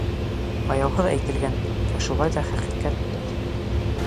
Аяуһыҙ әйтелгән, ә шулай ҙа хәҡиҡәт бит.